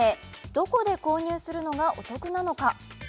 どこで購入するのがお得なのか？